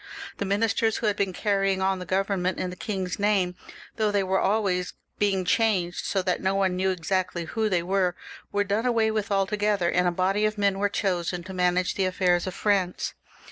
The ministers who had been carrying on the Government in the king's name, though they were always being changed, so that no one knew exactly who they were, were done away with altogether, and a body of men was chosen to manage the affairs of France.